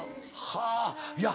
はぁいや